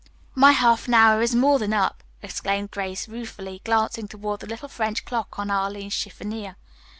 "My half hour is more than up," exclaimed Grace ruefully, glancing toward the little French clock on Arline's chiffonier.